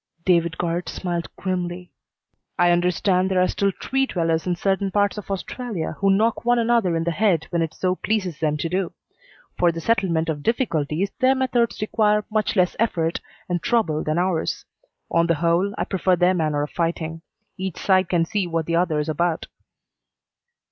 David Guard smiled grimly. "I understand there are still tree dwellers in certain parts of Australia who knock one another in the head when it so pleases them to do. For the settlement of difficulties their methods require much less effort and trouble than ours. On the whole, I prefer their manner of fighting. Each side can see what the other's about."